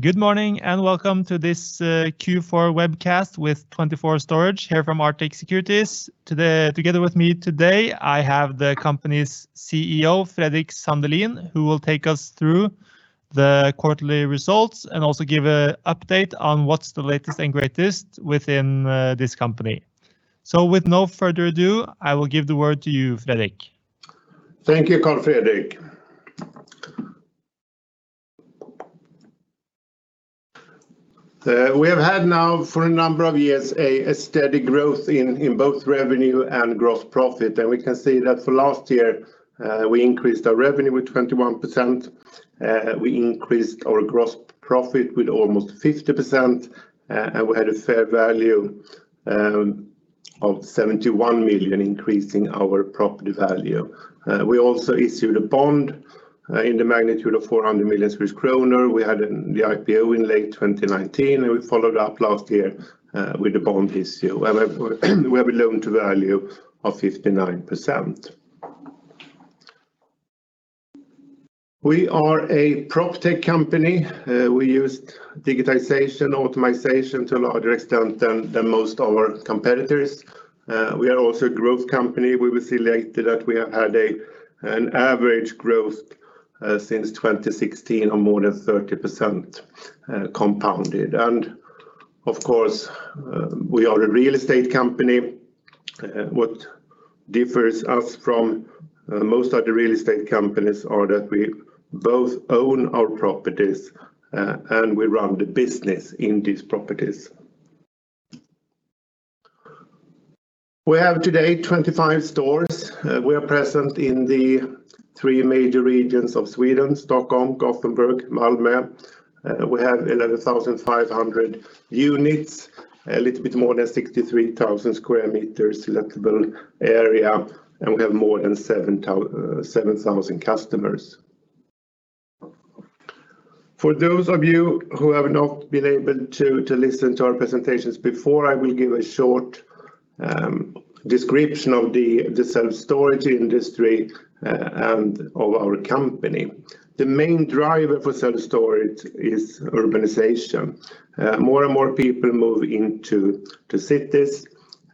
Good morning. Welcome to this Q4 webcast with 24Storage here from Arctic Securities. Together with me today, I have the company's CEO, Fredrik Sandelin, who will take us through the quarterly results and also give an update on what's the latest and greatest within this company. With no further ado, I will give the word to you, Fredrik. Thank you, Carl Frederick. We have had now for a number of years, a steady growth in both revenue and gross profit. We can see that for last year, we increased our revenue with 21%. We increased our gross profit with almost 50%, and we had a fair value of 71 million, increasing our property value. We also issued a bond in the magnitude of 400 million kronor. We had the IPO in late 2019, and we followed up last year, with the bond issue. We have a loan-to-value of 59%. We are a PropTech company. We use digitization, automization to a larger extent than most our competitors. We are also a growth company. We will see later that we have had an average growth, since 2016, of more than 30% compounded. Of course, we are a real estate company. What differs us from most other real estate companies are that we both own our properties, and we run the business in these properties. We have today 25 stores. We are present in the three major regions of Sweden, Stockholm, Gothenburg, Malmo. We have 11,500 units, a little bit more than 63,000 sq m selectable area, and we have more than 7,000 customers. For those of you who have not been able to listen to our presentations before, I will give a short description of the self-storage industry and of our company. The main driver for self-storage is urbanization. More and more people move into cities.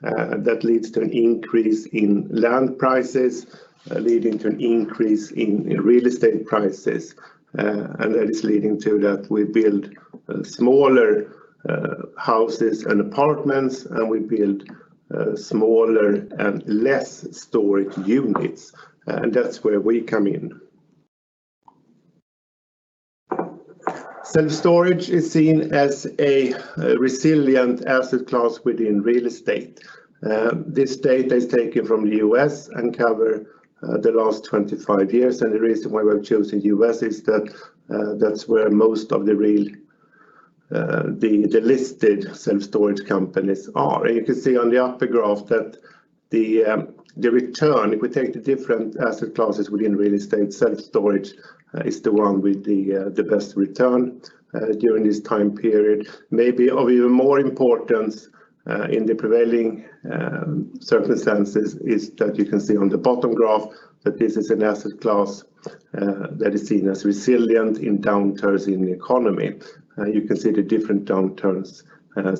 That leads to an increase in land prices, leading to an increase in real estate prices. That is leading to that we build smaller houses and apartments, and we build smaller and less storage units. That's where we come in. Self-storage is seen as a resilient asset class within real estate. This data is taken from the U.S. and cover the last 25 years. The reason why we've chosen U.S. is that that's where most of the listed self-storage companies are. You can see on the upper graph that the return, if we take the different asset classes within real estate, self-storage, is the one with the best return during this time period. Maybe of even more importance in the prevailing circumstances is that you can see on the bottom graph that this is an asset class that is seen as resilient in downturns in the economy. You can see the different downturns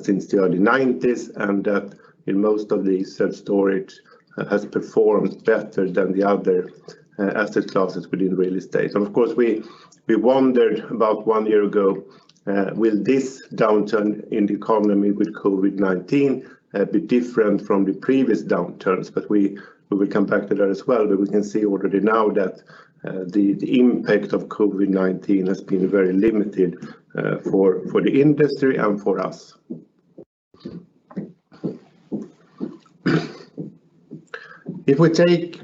since the early 1990s, and that in most of these, self-storage has performed better than the other asset classes within real estate. Of course, we wondered about one year ago, will this downturn in the economy with COVID-19 be different from the previous downturns? We will come back to that as well. We can see already now that the impact of COVID-19 has been very limited for the industry and for us. If we take,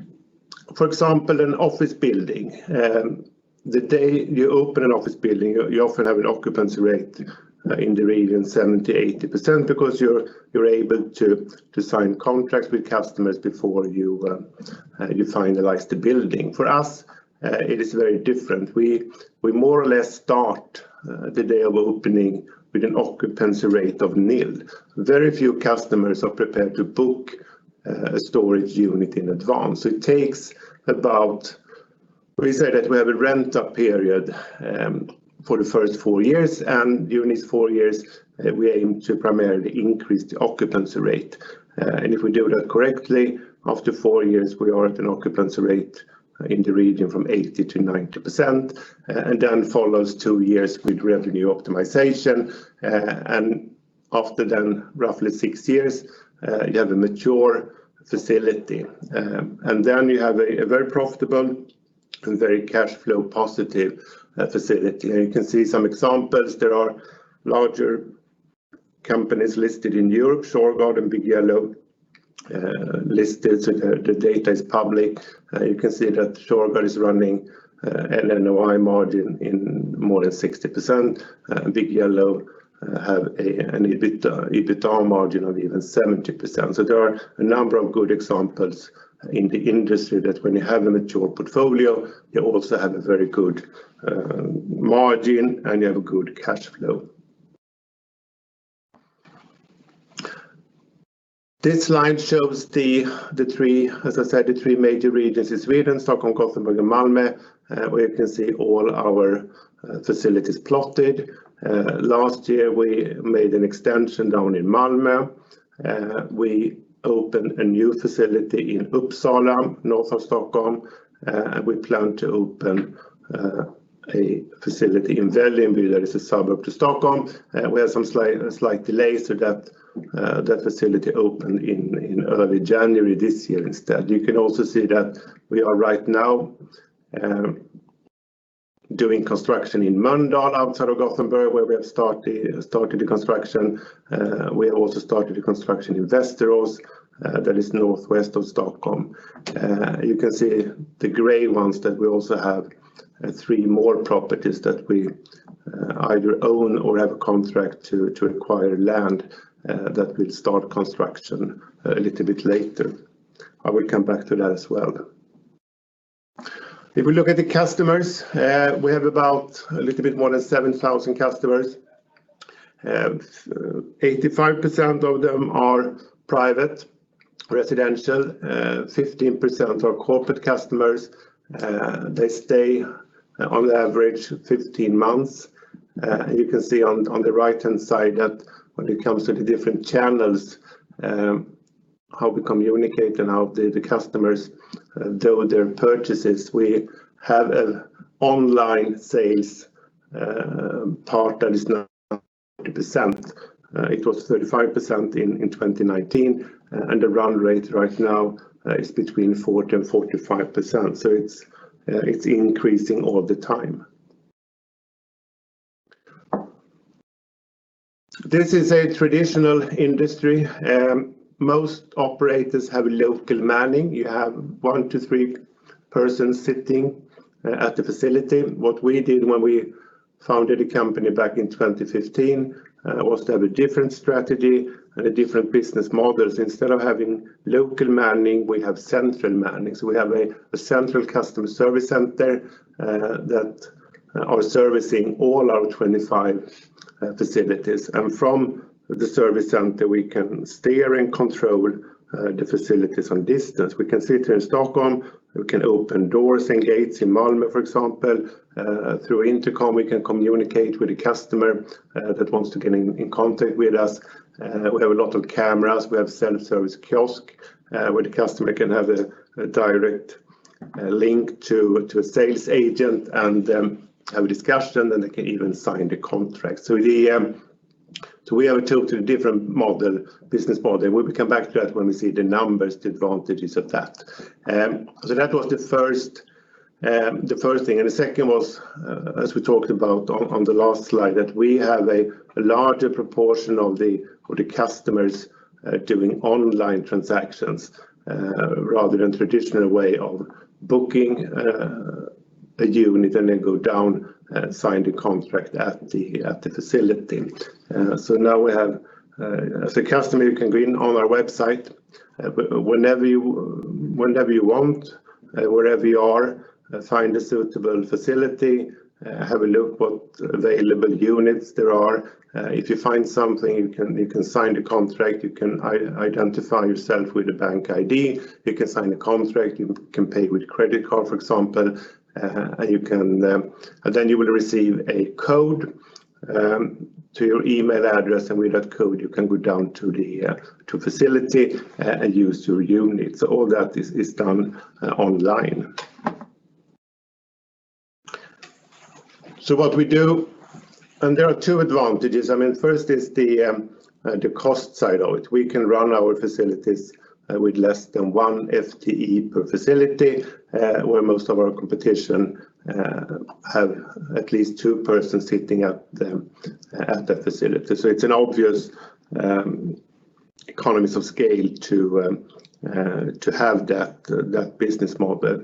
for example, an office building, the day you open an office building, you often have an occupancy rate in the region 70%-80% because you're able to sign contracts with customers before you finalize the building. For us, it is very different. We more or less start the day of opening with an occupancy rate of nil. Very few customers are prepared to book a storage unit in advance. We say that we have a ramp-up period, for the first four years. During these four years, we aim to primarily increase the occupancy rate. If we do that correctly, after four years, we are at an occupancy rate in the region from 80%-90%. Then follows two years with revenue optimization. After then roughly six years, you have a mature facility. Then you have a very profitable and very cash flow positive facility. You can see some examples. There are larger companies listed in Europe, Shurgard and Big Yellow, listed, so the data is public. You can see that Shurgard is running NOI margin in more than 60%. Big Yellow have an EBITDA margin of even 70%. There are a number of good examples in the industry that when you have a mature portfolio, you also have a very good margin, and you have a good cash flow. This slide shows the three major regions in Sweden, Stockholm, Gothenburg, and Malmö, where you can see all our facilities plotted. Last year, we made an extension down in Malmö. We opened a new facility in Uppsala, north of Stockholm. We plan to open a facility in Vällingby, that is a suburb to Stockholm. We have some slight delays to that facility opening in early January this year instead. You can also see that we are right now doing construction in Mölndal, outside of Gothenburg, where we have started the construction. We have also started the construction in Västerås. That is northwest of Stockholm. You can see the gray ones, that we also have three more properties that we either own or have a contract to acquire land that we'll start construction a little bit later. I will come back to that as well. If we look at the customers, we have about a little bit more than 7,000 customers. 85% of them are private residential, 15% are corporate customers. They stay on average 15 months. You can see on the right-hand side that when it comes to the different channels, how we communicate and how the customers do their purchases. We have an online sales part that is now 40%. It was 35% in 2019, and the run rate right now is between 40%-45%, so it's increasing all the time. This is a traditional industry. Most operators have local manning. You have one to three persons sitting at the facility. What we did when we founded a company back in 2015, was to have a different strategy and a different business model. Instead of having local manning, we have central manning. We have a central customer service center that are servicing all our 25 facilities, and from the service center, we can steer and control the facilities from distance. We can sit here in Stockholm, we can open doors and gates in Malmö, for example. Through intercom, we can communicate with the customer that wants to get in contact with us. We have a lot of cameras. We have self-service kiosk, where the customer can have a direct link to a sales agent and have a discussion, and they can even sign the contract. We have a totally different business model. We will come back to that when we see the numbers, the advantages of that. That was the first thing, and the second was, as we talked about on the last slide, that we have a larger proportion of the customers doing online transactions, rather than traditional way of booking a unit and then go down, sign the contract at the facility. Now as a customer, you can go in on our website, whenever you want, wherever you are, find a suitable facility, have a look what available units there are. If you find something, you can sign the contract. You can identify yourself with a BankID. You can sign the contract. You can pay with credit card, for example. Then you will receive a code to your email address, and with that code, you can go down to facility and use your unit. All that is done online. What we do, and there are two advantages. First is the cost side of it. We can run our facilities with less than one FTE per facility, where most of our competition have at least two persons sitting at the facility. It's an obvious economies of scale to have that business model.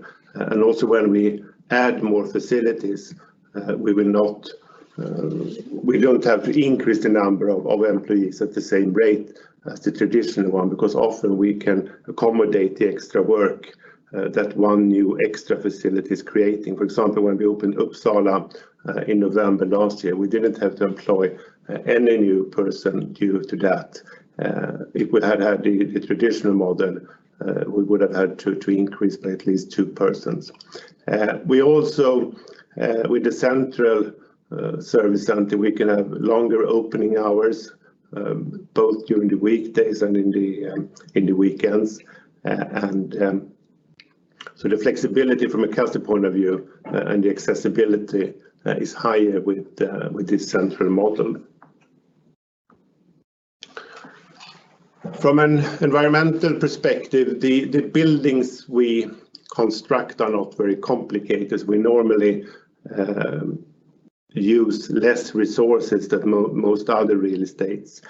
When we add more facilities, we don't have to increase the number of employees at the same rate as the traditional one, because often we can accommodate the extra work that one new extra facility is creating. For example, when we opened Uppsala in November last year, we didn't have to employ any new person due to that. If we had had the traditional model, we would have had to increase by at least two persons. We also, with the central service center, we can have longer opening hours, both during the weekdays and in the weekends. The flexibility from a customer point of view and the accessibility is higher with this central model. From an environmental perspective, the buildings we construct are not very complicated, as we normally use less resources than most other real estates.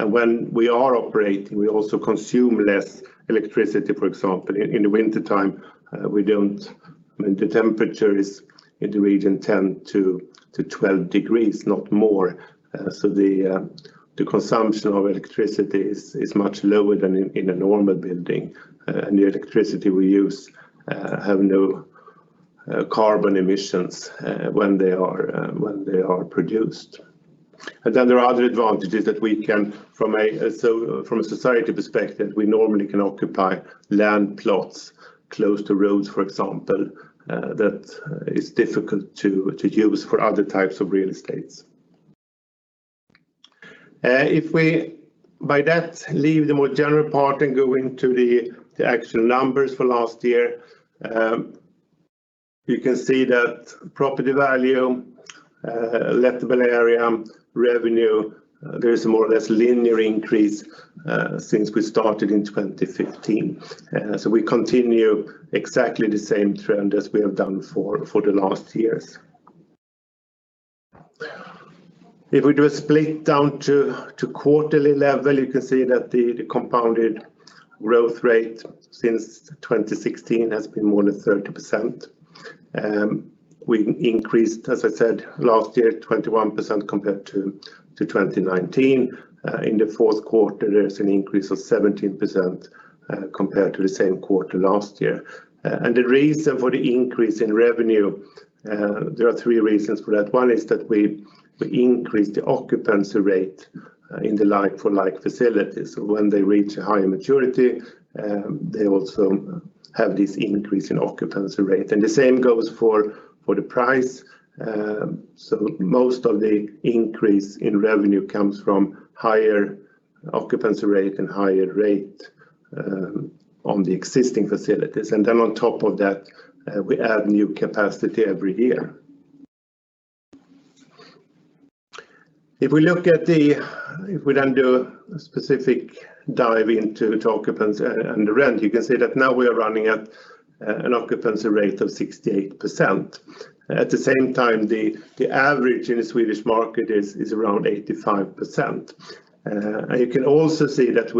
When we are operating, we also consume less electricity. For example, in the wintertime, the temperature is in the region 10 to 12 degrees, not more. The consumption of electricity is much lower than in a normal building. The electricity we use have no-carbon emissions when they are produced. Then there are other advantages that we can, from a society perspective, we normally can occupy land plots close to roads, for example, that is difficult to use for other types of real estates. If we, by that, leave the more general part and go into the actual numbers for last year, you can see that property value, lettable area, revenue, there is a more or less linear increase since we started in 2015. We continue exactly the same trend as we have done for the last years. If we do a split down to quarterly level, you can see that the compounded growth rate since 2016 has been more than 30%. We increased, as I said, last year, 21% compared to 2019. In the fourth quarter, there is an increase of 17% compared to the same quarter last year. The reason for the increase in revenue, there are three reasons for that. One is that we increase the occupancy rate in the like-for-like facilities. When they reach a higher maturity, they also have this increase in occupancy rate. The same goes for the price. Most of the increase in revenue comes from higher occupancy rate and higher rate on the existing facilities. On top of that, we add new capacity every year. If we then do a specific dive into occupancy and the rent, you can see that now we are running at an occupancy rate of 68%. At the same time, the average in the Swedish market is around 85%. You can also see that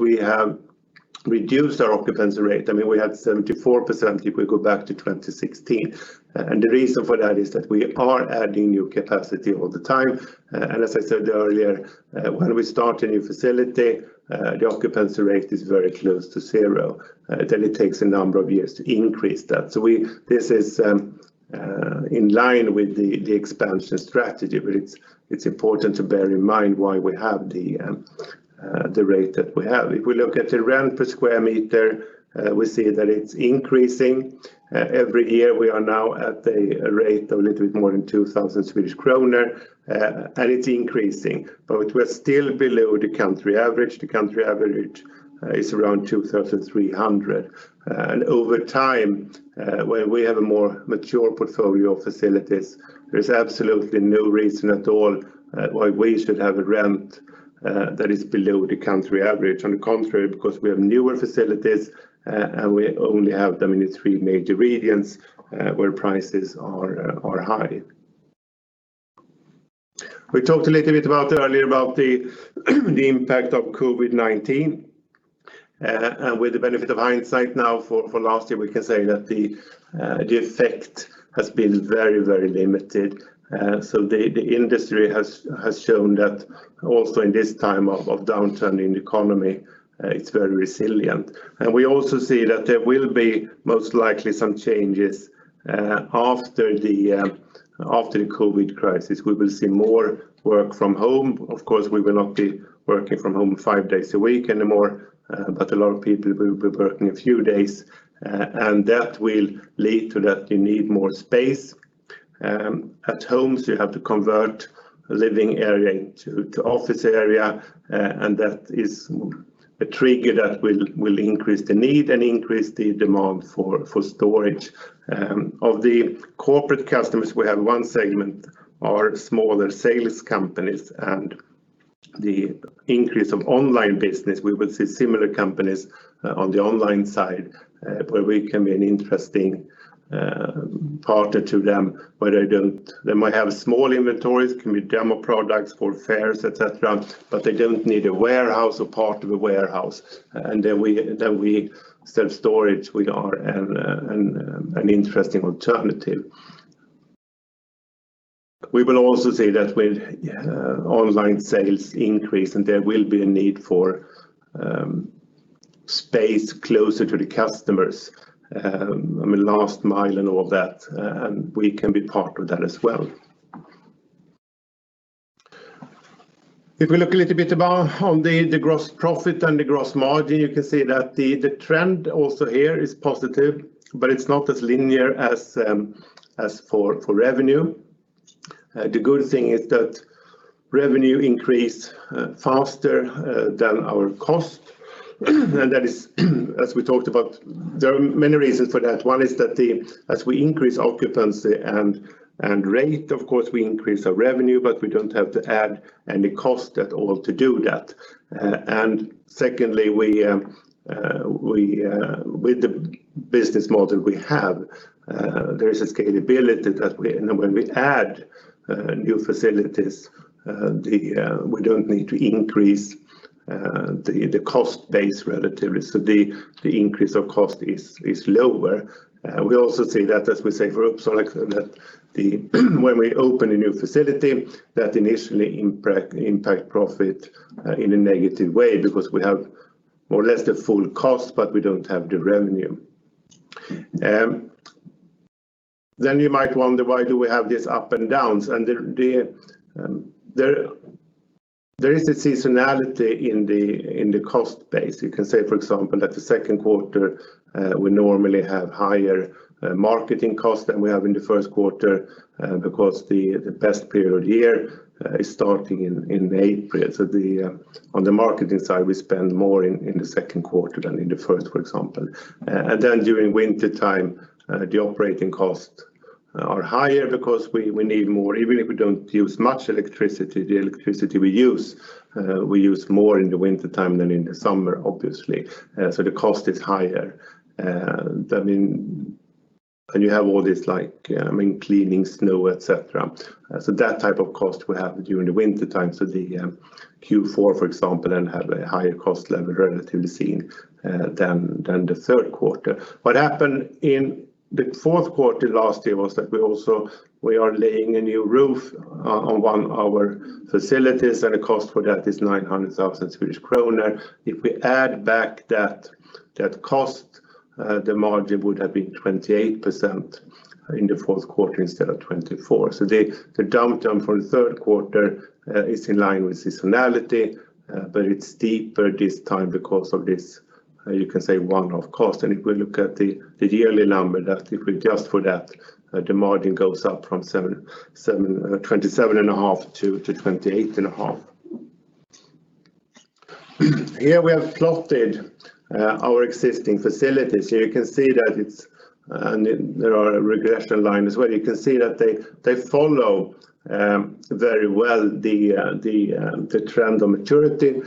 we have reduced our occupancy rate. We had 74%, if we go back to 2016. The reason for that is that we are adding new capacity all the time. As I said earlier, when we start a new facility, the occupancy rate is very close to zero. It takes a number of years to increase that. This is in line with the expansion strategy, but it's important to bear in mind why we have the rate that we have. If we look at the rent per square meter, we see that it's increasing every year. We are now at a rate of little bit more than 2,000 Swedish kronor, and it's increasing, but we're still below the country average. The country average is around 2,300. Over time, when we have a more mature portfolio of facilities, there is absolutely no reason at all why we should have a rent that is below the country average. On the contrary, because we have newer facilities, and we only have them in the three major regions, where prices are high. We talked a little bit earlier about the impact of COVID-19. With the benefit of hindsight now for last year, we can say that the effect has been very limited. The industry has shown that also in this time of downturn in the economy, it's very resilient. We also see that there will be most likely some changes after the COVID crisis. We will see more work from home. Of course, we will not be working from home five days a week anymore, but a lot of people will be working a few days, and that will lead to that you need more space. At homes, you have to convert living area into office area, and that is a trigger that will increase the need and increase the demand for storage. Of the corporate customers, we have one segment, are smaller sales companies, and the increase of online business, we will see similar companies on the online side, where we can be an interesting partner to them, where they might have small inventories, can be demo products for fairs, et cetera, but they don't need a warehouse or part of a warehouse. We sell storage. We are an interesting alternative. We will also see that with online sales increase, and there will be a need for space closer to the customers. Last mile and all that, and we can be part of that as well. If we look a little bit about on the gross profit and the gross margin, you can see that the trend also here is positive, but it's not as linear as for revenue. The good thing is that revenue increased faster than our cost. That is, as we talked about, there are many reasons for that. One is that as we increase occupancy and rate, of course, we increase our revenue, but we don't have to add any cost at all to do that. Secondly, with the business model we have, there is a scalability that when we add new facilities, we don't need to increase the cost base relatively. The increase of cost is lower. We also see that as we say, when we open a new facility that initially impact profit in a negative way because we have more or less the full cost, but we don't have the revenue. You might wonder why do we have these up and downs? There is a seasonality in the cost base. You can say, for example, that the second quarter we normally have higher marketing costs than we have in the first quarter because the best period here is starting in April. On the marketing side, we spend more in the second quarter than in the first, for example. Then during winter time, the operating costs are higher because we need more. Even if we don't use much electricity, the electricity we use, we use more in the wintertime than in the summer, obviously. The cost is higher. You have all this, cleaning snow, et cetera. That type of cost will happen during the wintertime. The Q4, for example, then have a higher cost level relatively seen than the third quarter. What happened in the fourth quarter last year was that we are laying a new roof on one of our facilities, and the cost for that is 900,000 Swedish kronor. If we add back that cost, the margin would have been 28% in the fourth quarter instead of 24%. The downturn for the third quarter is in line with seasonality, but it's deeper this time because of this, you can say one-off cost. If we look at the yearly number, if we adjust for that, the margin goes up from 27.5% to 28.5%. Here we have plotted our existing facilities. Here you can see that there are regression lines where you can see that they follow very well the trend of maturity.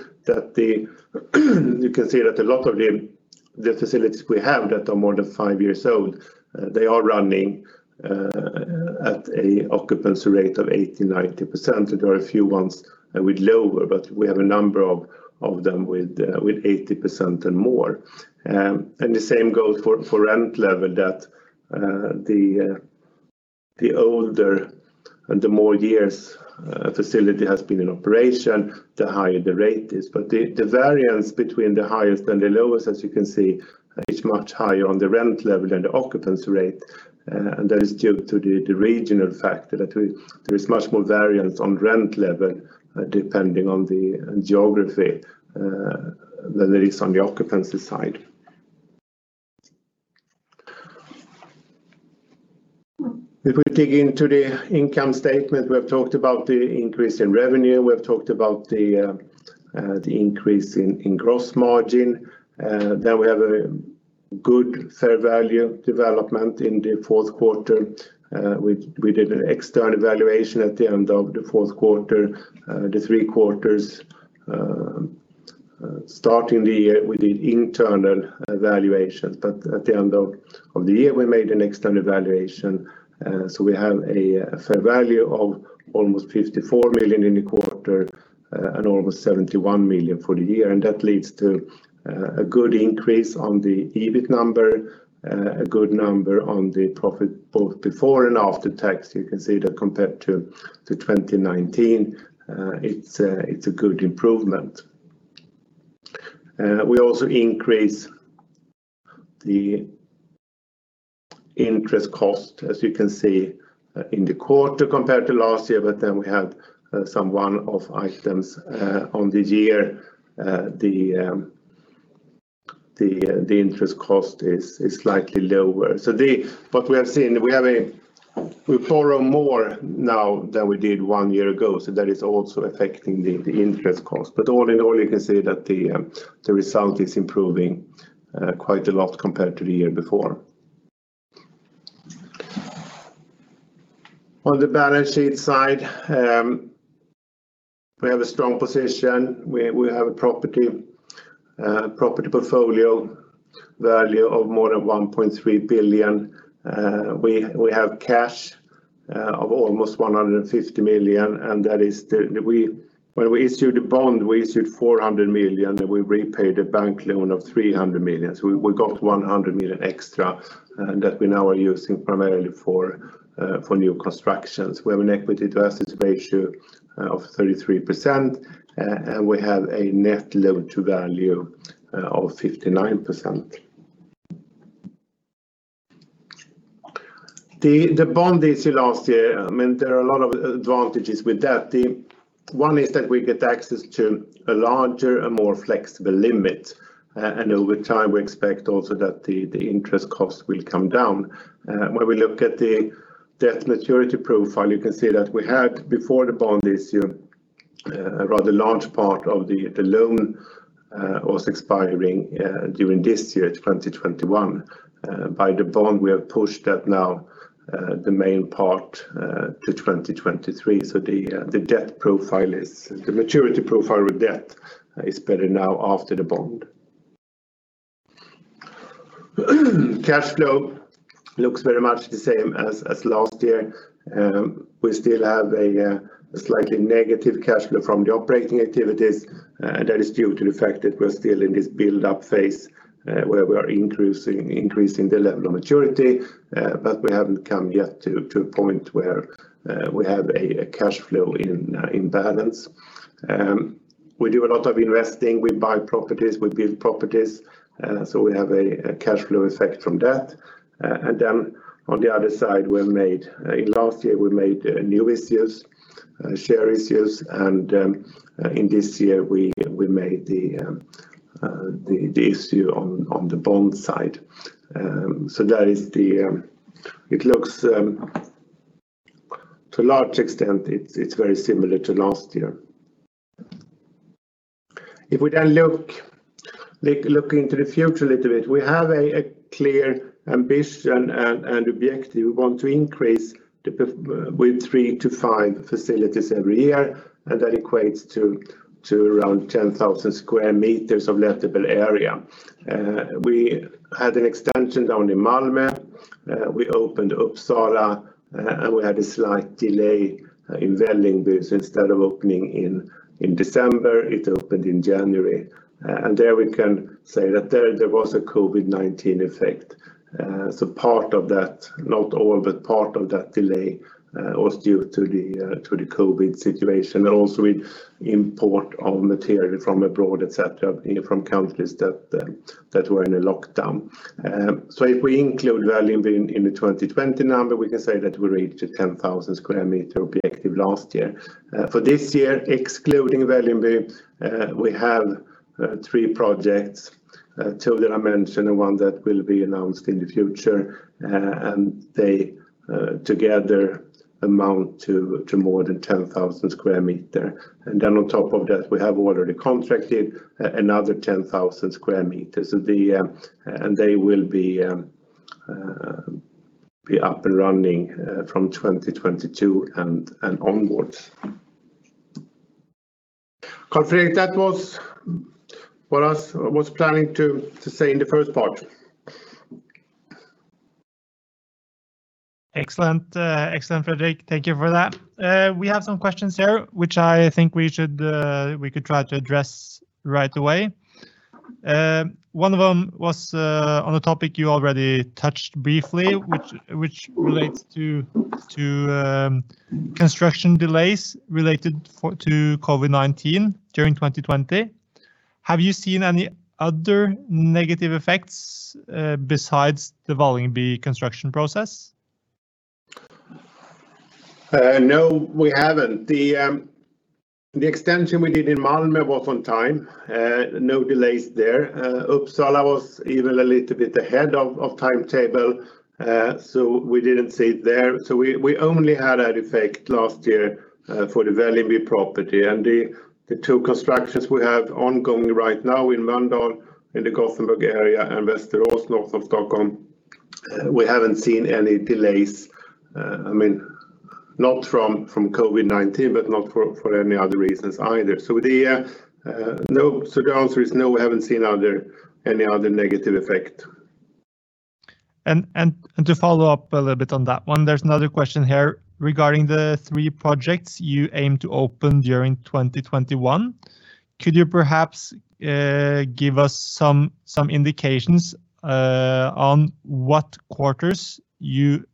You can see that a lot of the facilities we have that are more than five years old, they are running at a occupancy rate of 80%-90%. There are a few ones with lower, but we have a number of them with 80% and more. The same goes for rent level that the older and the more years a facility has been in operation, the higher the rate is. The variance between the highest and the lowest, as you can see, is much higher on the rent level than the occupancy rate. That is due to the regional factor, that there is much more variance on rent level depending on the geography than there is on the occupancy side. If we dig into the income statement, we have talked about the increase in revenue. We have talked about the increase in gross margin. We have a good fair value development in the fourth quarter. We did an external valuation at the end of the fourth quarter, the three quarters starting the year with the internal valuation. At the end of the year, we made an external valuation. We have a fair value of almost 54 million in the quarter, and almost 71 million for the year. That leads to a good increase on the EBIT number, a good number on the profit both before and after tax. You can see that compared to 2019, it's a good improvement. We also increase the interest cost, as you can see in the quarter compared to last year. We had some one-off items on the year. The interest cost is slightly lower. We borrow more now than we did one year ago, that is also affecting the interest cost. All in all, you can see that the result is improving quite a lot compared to the year before. On the balance sheet side, we have a strong position. We have a property portfolio value of more than 1.3 billion. We have cash of almost 150 million, and when we issued the bond, we issued 400 million, and we repaid a bank loan of 300 million. We got 100 million extra that we now are using primarily for new constructions. We have an equity to assets ratio of 33%, and we have a net loan-to-value of 59%. The bond issue last year meant there are a lot of advantages with that. One is that we get access to a larger and more flexible limit. Over time, we expect also that the interest cost will come down. When we look at the debt maturity profile, you can see that we had before the bond issue, a rather large part of the loan was expiring during this year, 2021. By the bond, we have pushed that now the main part to 2023. The maturity profile with debt is better now after the bond. Cash flow looks very much the same as last year. We still have a slightly negative cash flow from the operating activities, and that is due to the fact that we are still in this build-up phase where we are increasing the level of maturity. We haven't come yet to a point where we have a cash flow in balance. We do a lot of investing. We buy properties, we build properties, we have a cash flow effect from that. On the other side, last year, we made new issues, share issues, and in this year we made the issue on the bond side. To a large extent, it's very similar to last year. If we look into the future a little bit, we have a clear ambition and objective. We want to increase with three to five facilities every year, and that equates to around 10,000 sq m of lettable area. We had an extension down in Malmö. We opened Uppsala, and we had a slight delay in Vällingby. Instead of opening in December, it opened in January. There we can say that there was a COVID-19 effect. Part of that, not all, but part of that delay was due to the COVID situation, and also with import of material from abroad, et cetera, from countries that were in a lockdown. If we include Vällingby in the 2020 number, we can say that we reached a 10,000 sq m objective last year. For this year, excluding Vällingby, we have three projects. Two that I mentioned and one that will be announced in the future. They together amount to more than 10,000 sq m. On top of that, we have already contracted another 10,000 sq m. They will be up and running from 2022 and onwards. Fredrik, that was what I was planning to say in the first part. Excellent. Excellent, Fredrik. Thank you for that. We have some questions here, which I think we could try to address right away. One of them was on a topic you already touched briefly, which relates to construction delays related to COVID-19 during 2020. Have you seen any other negative effects besides the Vällingby construction process? No, we haven't. The extension we did in Malmö was on time, no delays there. Uppsala was even a little bit ahead of timetable, so we didn't see it there. We only had an effect last year for the Vällingby property. The two constructions we have ongoing right now in Mölndal, in the Gothenburg area, and Västerås, north of Stockholm, we haven't seen any delays. Not from COVID-19, but not for any other reasons either. The answer is no, we haven't seen any other negative effect. To follow up a little bit on that one, there's another question here regarding the three projects you aim to open during 2021. Could you perhaps give us some indications on what quarters you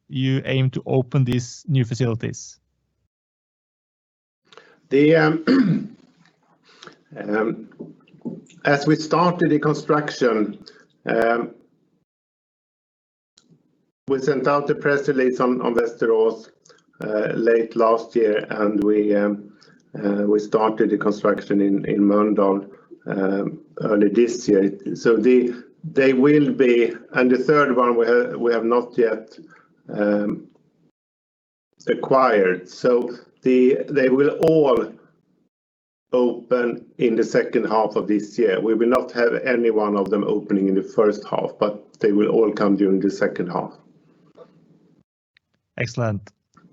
aim to open these new facilities? As we started the construction, we sent out the press release on Västerås late last year, and we started the construction in Mölndal early this year. The third one, we have not yet acquired. They will all open in the second half of this year. We will not have any one of them opening in the first half, but they will all come during the second half. Excellent.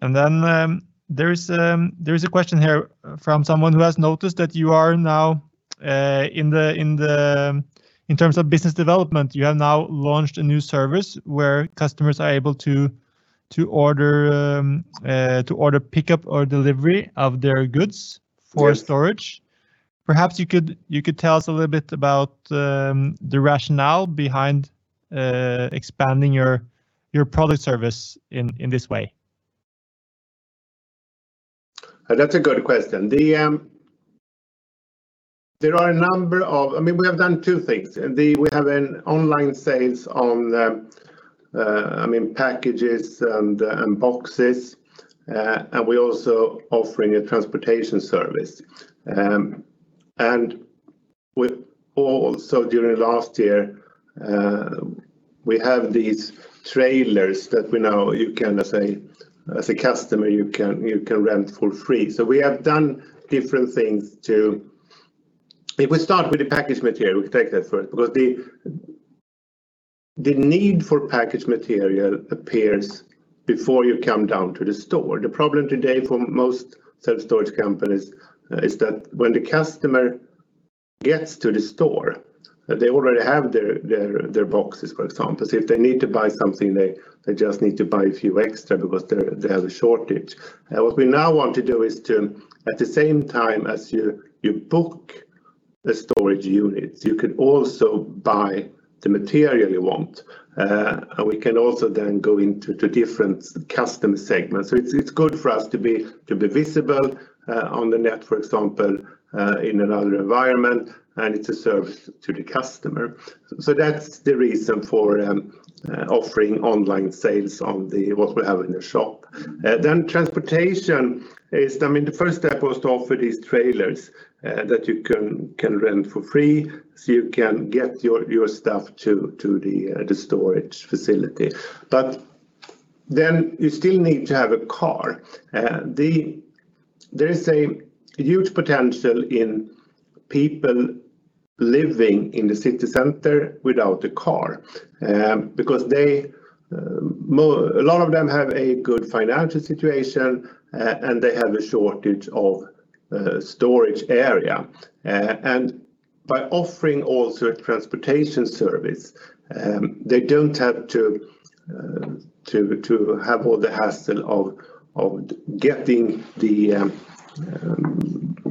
There is a question here from someone who has noticed that you are now, in terms of business development, you have now launched a new service where customers are able to order pickup or delivery of their goods for storage. Yes. Perhaps you could tell us a little bit about the rationale behind expanding your product service in this way? That's a good question. We have done two things. We have an online sales on packages and boxes, and we're also offering a transportation service. We also, during last year, we have these trailers that as a customer, you can rent for free. We have done different things. If we start with the package material, we can take that first, because the need for package material appears before you come down to the store. The problem today for most self-storage companies is that when the customer gets to the store, they already have their boxes, for example. If they need to buy something, they just need to buy a few extra because they have a shortage. What we now want to do is to, at the same time as you book the storage units, you can also buy the material you want. We can also then go into different custom segments. It's good for us to be visible on the net, for example, in another environment, and it's a service to the customer. That's the reason for offering online sales on what we have in the shop. Transportation, the first step was to offer these trailers that you can rent for free, so you can get your stuff to the storage facility. You still need to have a car. There is a huge potential in people living in the city center without a car. A lot of them have a good financial situation and they have a shortage of storage area. By offering also a transportation service, they don't have to have all the hassle of getting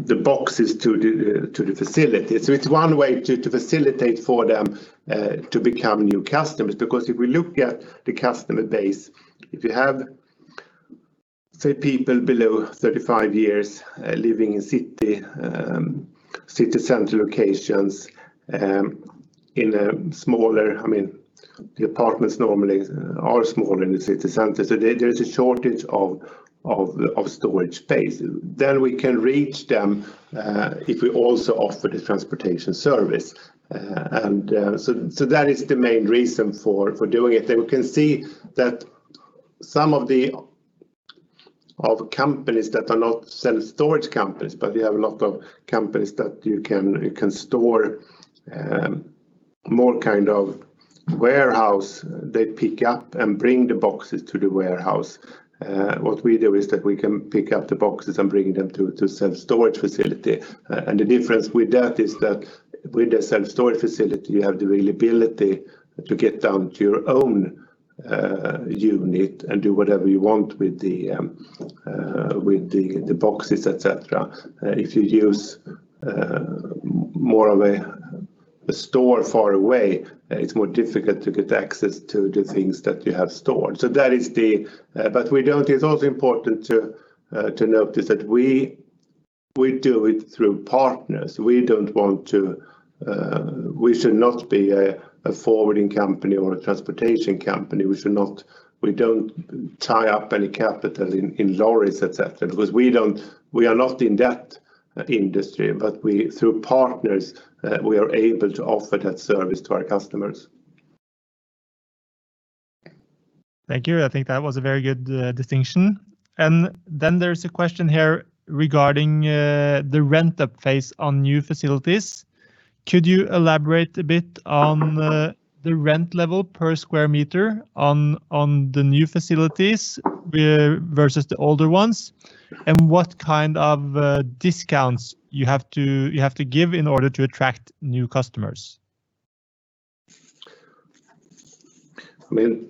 the boxes to the facility. It's one way to facilitate for them to become new customers, because if we look at the customer base, if you have, say, people below 35 years living in city center locations, in smaller, the apartments normally are smaller in the city center, so there is a shortage of storage space. We can reach them, if we also offer the transportation service. That is the main reason for doing it. We can see that some of companies that are not self-storage companies, but you have a lot of companies that you can store, more kind of warehouse, they pick up and bring the boxes to the warehouse. What we do is that we can pick up the boxes and bring them to self-storage facility. The difference with that is that with the self-storage facility, you have the ability to get down to your own unit and do whatever you want with the boxes, et cetera. If you use more of a store far away, it's more difficult to get access to the things that you have stored. It's also important to notice that we do it through partners. We should not be a forwarding company or a transportation company. We don't tie up any capital in lorries, et cetera, because we are not in that industry. Through partners, we are able to offer that service to our customers. Thank you. I think that was a very good distinction. Then there's a question here regarding the rent up-phase on new facilities. Could you elaborate a bit on the rent level per square meter on the new facilities versus the older ones, and what kind of discounts you have to give in order to attract new customers? The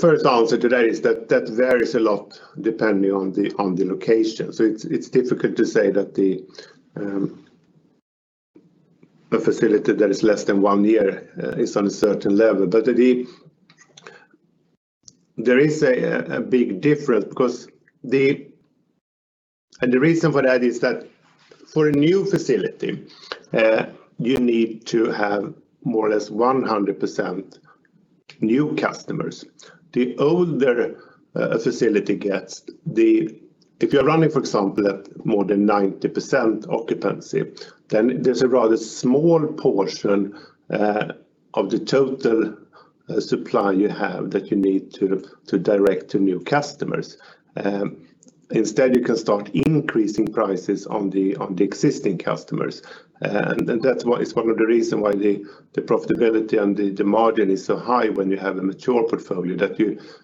first answer to that is that that varies a lot depending on the location. It's difficult to say that the facility that is less than one year is on a certain level. There is a big difference. The reason for that is that for a new facility, you need to have more or less 100% new customers. The older a facility gets, if you're running, for example, at more than 90% occupancy, then there's a rather small portion of the total supply you have that you need to direct to new customers. Instead, you can start increasing prices on the existing customers. That's one of the reason why the profitability and the margin is so high when you have a mature portfolio, that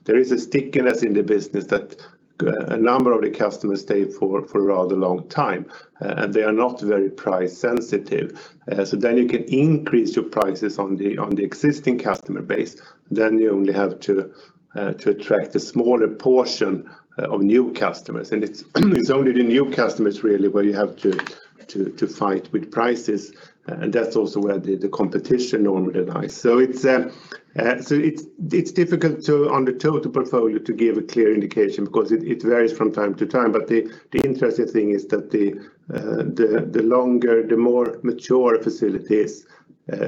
there is a stickiness in the business that a number of the customers stay for a rather long time, and they are not very price sensitive. You can increase your prices on the existing customer base. You only have to attract a smaller portion of new customers. It's only the new customers, really, where you have to fight with prices, and that's also where the competition normally lies. It's difficult on the total portfolio to give a clear indication because it varies from time to time. The interesting thing is that the longer, the more mature facilities,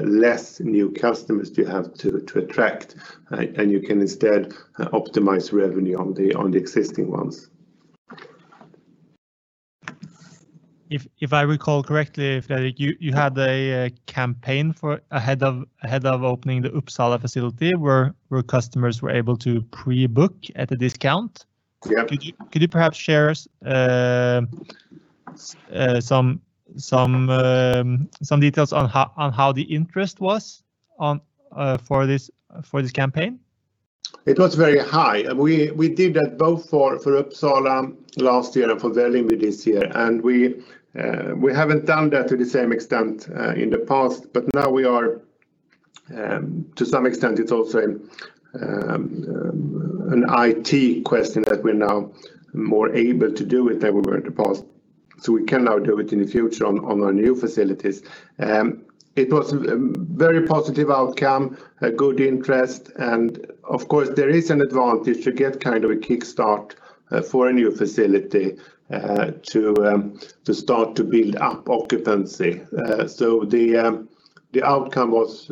less new customers do you have to attract. You can instead optimize revenue on the existing ones. If I recall correctly, Fredrik, you had a campaign ahead of opening the Uppsala facility where customers were able to pre-book at a discount. Yep. Could you perhaps share some details on how the interest was for this campaign? It was very high. We did that both for Uppsala last year and for Vällingby this year, and we haven't done that to the same extent in the past, but now we are. To some extent, it's also an IT question that we're now more able to do it than we were in the past. We can now do it in the future on our new facilities. It was a very positive outcome, a good interest, and of course, there is an advantage to get kind of a kickstart for a new facility to start to build up occupancy. The outcome was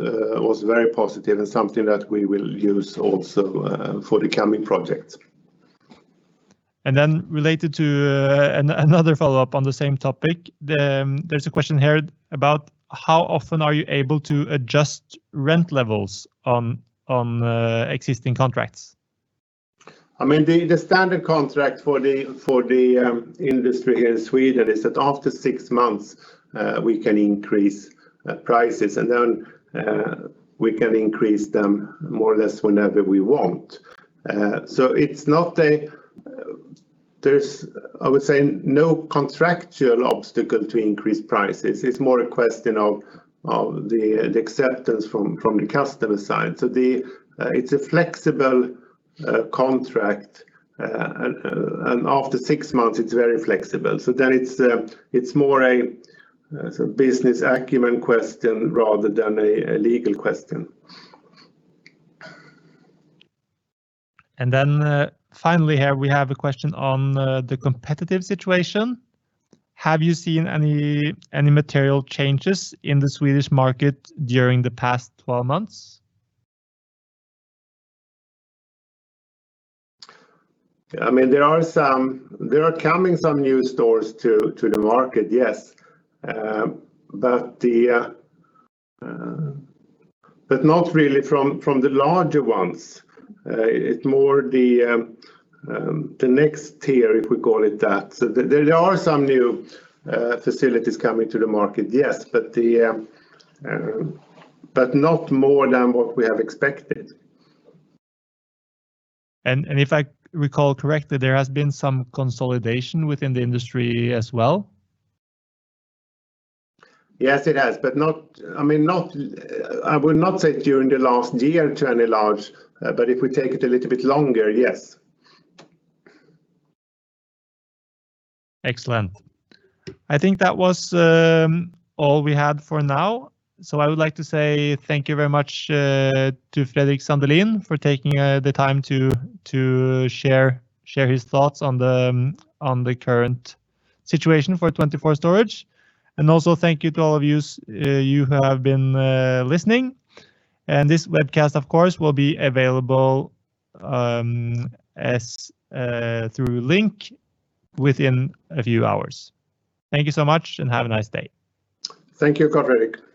very positive and something that we will use also for the coming projects. Related to another follow-up on the same topic, there's a question here about how often are you able to adjust rent levels on existing contracts? The standard contract for the industry here in Sweden is that after six months, we can increase prices, and then we can increase them more or less whenever we want. There's, I would say, no contractual obstacle to increase prices. It's more a question of the acceptance from the customer side. It's a flexible contract, and after six months, it's very flexible. Then it's more a business acumen question rather than a legal question. Finally here, we have a question on the competitive situation. Have you seen any material changes in the Swedish market during the past 12 months? There are coming some new stores to the market, yes. Not really from the larger ones. It's more the next tier, if we call it that. There are some new facilities coming to the market, yes. Not more than what we have expected. If I recall correctly, there has been some consolidation within the industry as well? Yes, it has. I would not say during the last year to any large, but if we take it a little bit longer, yes. Excellent. I think that was all we had for now. I would like to say thank you very much to Fredrik Sandelin for taking the time to share his thoughts on the current situation for 24Storage. Also thank you to all of you who have been listening. This webcast, of course, will be available through link within a few hours. Thank you so much, and have a nice day. Thank you, Fredrik.